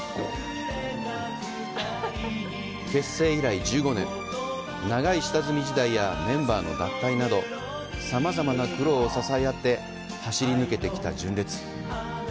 結成以来１５年、長い下積み時代やメンバーの脱退など、さまざまな苦労を支え合って走り抜けてきた純烈。